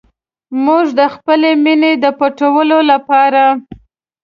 موږ د خپلې مینې د پټولو لپاره.